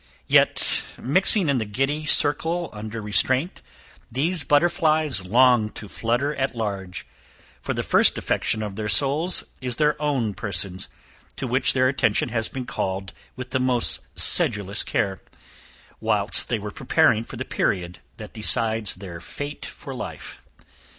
Yet, mixing in the giddy circle under restraint, these butterflies long to flutter at large, for the first affection of their souls is their own persons, to which their attention has been called with the most sedulous care, whilst they were preparing for the period that decides their fate for life.